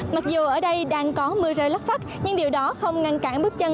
mặc dù ở đây đang có mưa rơi lất phất nhưng điều đó không ngăn cản bước chân